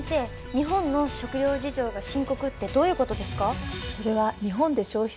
日本の食料事情が深刻ってどういうことですか？